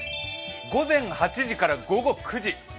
午前８時から午後９時。